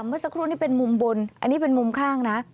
เมื่อสักครู่นี้เป็นมุมบนอันนี้เป็นมุมข้างนะ